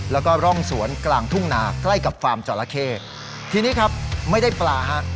แล้วก็ร่องสวนกลางทุ่งนาใกล้กับฟาร์มจอละเข้ทีนี้ครับไม่ได้ปลาฮะ